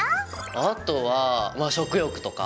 あとはまあ食欲とか？